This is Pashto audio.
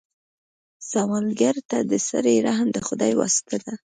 سوالګر ته د سړي رحم د خدای واسطه ده